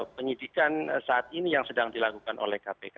penyidikan saat ini yang sedang dilakukan oleh kpk